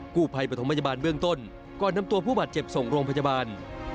กู้ภัยปฐมพยาบาลเบื้องต้นก่อนนำตัวผู้บาดเจ็บส่งโรงพยาบาล